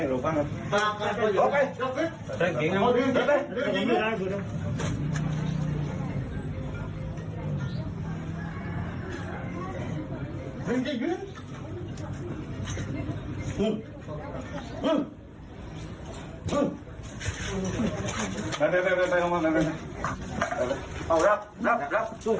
ไม่รู้ว่ามันลงไปไปเป็นแห่งจะอาจสุด